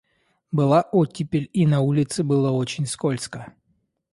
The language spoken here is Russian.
Была оттепель, и на улице было очень скользко.